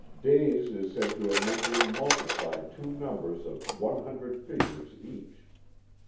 Dase is said to have mentally multiplied two numbers of one hundred figures each.